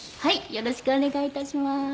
よろしくお願い致しまーす。